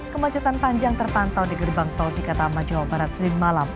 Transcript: kemacetan panjang tertantau di gerbang taujika tama jawa barat selim malam